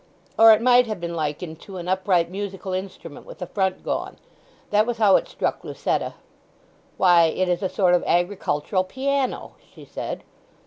Or it might have been likened to an upright musical instrument with the front gone. That was how it struck Lucetta. "Why, it is a sort of agricultural piano," she said.